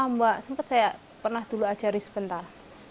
lupa mbak sempat saya pernah dulu ajarin sebentar